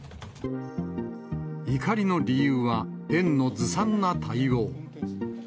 怒りの理由は、園のずさんな対応。